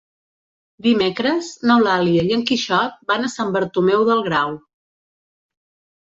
Dimecres n'Eulàlia i en Quixot van a Sant Bartomeu del Grau.